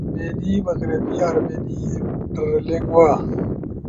آرمینی، مغربی آرمینی، انٹرلینگوا